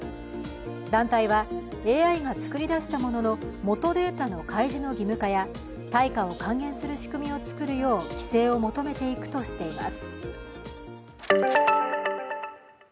団体はＡＩが作り出したものの元データの開示の義務化や対価を還元する仕組みを作るよう規制を求めていくとしています。